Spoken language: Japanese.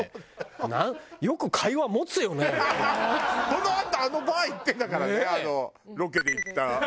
そのあとあのバー行ってるんだからねあのロケで行った。